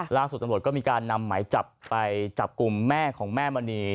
ล่าสุดตำรวจก็มีการนำหมายจับไปจับกลุ่มแม่ของแม่มณี